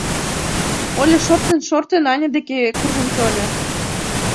Оля, шортын-шортын, Аня деке куржын тольо.